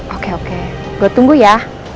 oke oke gue tunggu ya